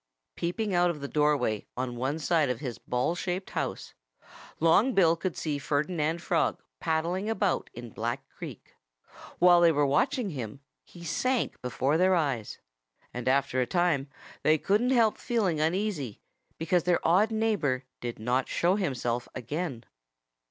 Peeping out of the doorway on one side of his ball shaped house, Long Bill could see Ferdinand Frog paddling about in Black Creek. While they were watching him, he sank before their eyes. And after a time they couldn't help feeling uneasy, because their odd neighbor did not show himself again.